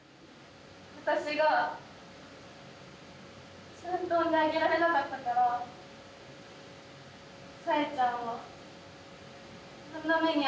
私がちゃんと産んであげられなかったからさえちゃんはあんな目に遭ったの。